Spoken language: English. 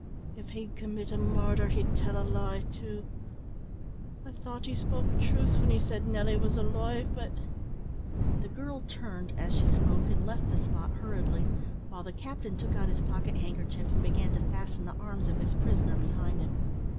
If he'd commit a murder, he'd tell a lie too. I thought he spoke truth when he said Nelly was alive, but " The girl turned as she spoke, and left the spot hurriedly, while the captain took out his pocket handkerchief, and began to fasten the arms of his prisoner behind him.